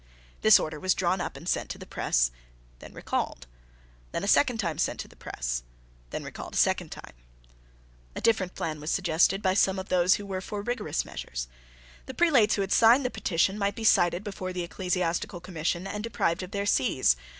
This order was drawn up and sent to the press, then recalled, then a second time sent to the press, then recalled a second time. A different plan was suggested by some of those who were for rigorous measures. The prelates who had signed the petition might be cited before the Ecclesiastical Commission and deprived of their sees.